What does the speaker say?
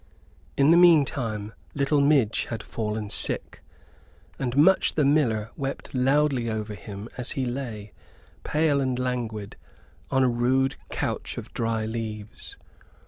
In the meantime little Midge had fallen sick, and Much the Miller wept loudly over him as he lay, pale and languid, on a rude couch of dry leaves.